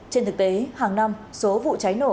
trên thực tế hàng năm số vụ cháy nổ